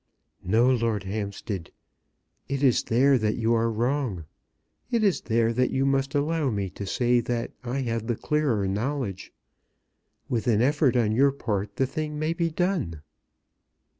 "No, Lord Hampstead; it is there that you are wrong. It is there that you must allow me to say that I have the clearer knowledge. With an effort on your part the thing may be done."